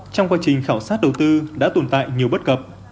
trong quá trình khảo sát đầu tư đã tồn tại nhiều bất cập